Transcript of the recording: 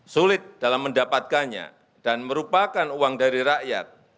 sulit dalam mendapatkannya dan merupakan uang dari rakyat